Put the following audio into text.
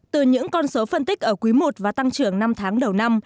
từ những con số phân tích ở quý i và tăng trưởng năm tháng đầu năm